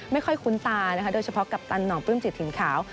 ไม่ค่อยคุ้นตานะคะโดยเฉพาะกัปตันหนองปื้มจิตถิ่นขาว